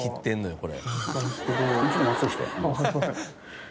これ。